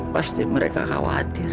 pasti mereka khawatir